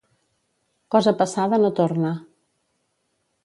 Cosa passada no torna.